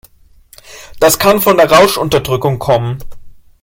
Das kann von der Rauschunterdrückung kommen.